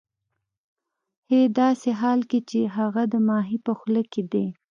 ه داسې حال کې چې هغه د ماهي په خوله کې دی